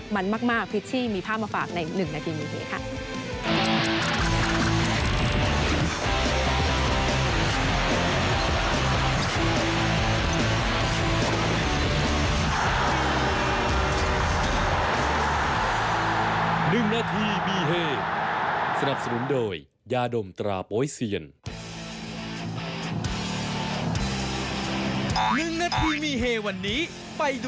มันมากพิษที่มีภาพมาฝากใน๑นาทีอยู่นี้